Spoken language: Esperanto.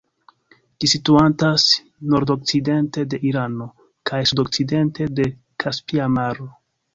Ĝi situantas nordokcidente de Irano kaj sudokcidente de Kaspia Maro.